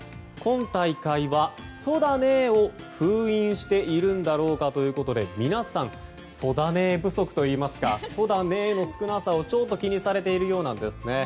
今大会はそだねーを封印しているんだろうかということで皆さんそだねー不足といいますかそだねーの少なさをちょっと気にされているようです。